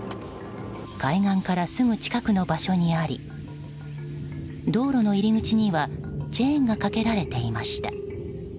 海岸からすぐ近くの場所にあり道路の入り口にはチェーンがかけられていました。